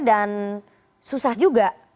dan susah juga